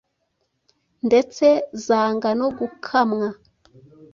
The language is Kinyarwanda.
ndetse zanga no gukamwa